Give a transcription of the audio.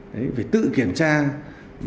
phải tự kiểm tra là chưa có hệ thống lạnh hơn nữa